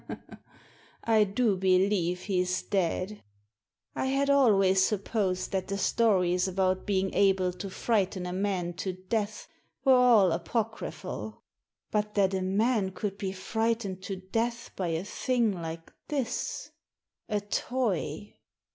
" I do believe he's dead. I had always supposed that the stories about being able to frighten a man to death were all apocryphal. But that a man could be frightened to death by a thing like this — a toy